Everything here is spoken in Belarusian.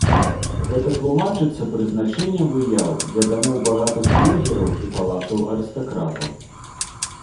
Гэта тлумачыцца прызначэннем выяў для дамоў багатых бюргераў і палацаў арыстакратаў.